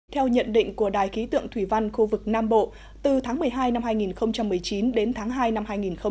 theo nhận định của đài ký tượng thủy văn khu vực nam bộ từ tháng một mươi hai năm hai nghìn một mươi chín đến tháng hai năm hai nghìn hai mươi